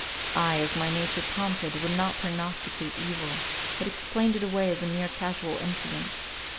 I, as my nature prompted, would not prognosticate evil, but explained it away as a mere casual incident.